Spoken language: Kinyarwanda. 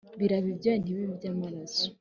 Birabe ibyuya ntibibe amaraso